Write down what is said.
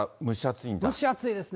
蒸し暑いですね。